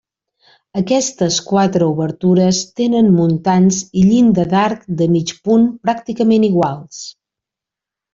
Aquestes quatre obertures tenen muntants i llinda d'arc de mig punt pràcticament iguals.